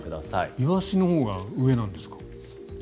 イワシのほうが上なんですか。